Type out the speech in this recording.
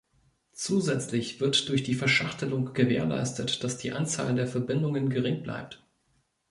Zusätzlich wird durch die Verschachtelung gewährleistet, dass die Anzahl der Verbindungen gering bleibt.